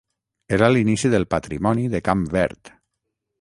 Era l'inici del patrimoni de Camp Verd.